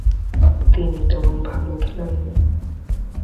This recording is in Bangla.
তিনি তেমন ভালো খেলেননি।